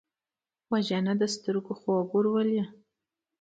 وژنه د سترګو خوب ورولي